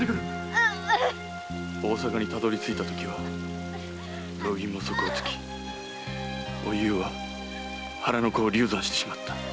大坂にたどり着いたときは路銀も底をつきおゆうは腹の子を流産してしまった。